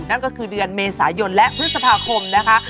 นั่นก็คือเดือนเมษายนและพฤษภาคมนะคะ